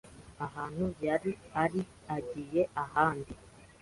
ahantu yari ari agiye ahandi.